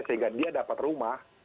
sehingga dia dapat rumah